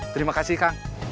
terima kasih kang